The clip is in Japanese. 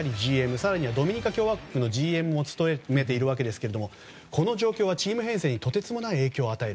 更にはドミニカ共和国のＧＭも務めているわけですけれどもこの状況はチーム編成にとてつもない影響を与える。